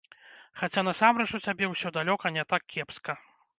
Хаця насамрэч у цябе ўсё далёка не так кепска.